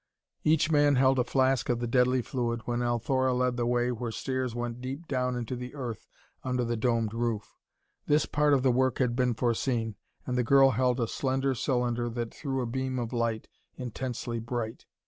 Each man held a flask of the deadly fluid when Althora led the way where stairs went deep down into the earth under the domed roof. This part of the work had been foreseen, and the girl held a slender cylinder that threw a beam of light, intensely bright.